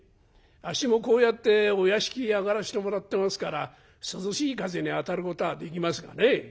あっしもこうやってお屋敷上がらしてもらってますから涼しい風に当たることはできますがね。